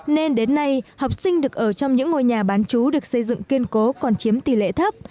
nên đến nay học sinh được ở trong những ngôi nhà bán chú được xây dựng kiên cố còn chiếm tỷ lệ thấp